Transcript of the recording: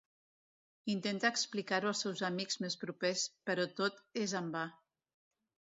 Intenta explicar-ho als seus amics més propers però tot és en va.